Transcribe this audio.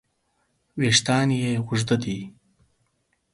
وېښتیان یې اوږده دي.